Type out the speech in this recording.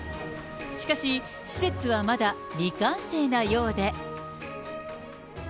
しかし、施設はまだ未完成なようで。